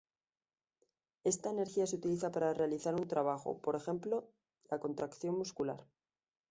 Esta energía se utiliza para realizar un trabajo, por ejemplo la contracción muscular.